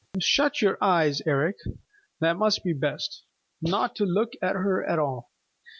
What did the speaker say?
"Shut your eyes, Eric. That must be best, not to look at her at all.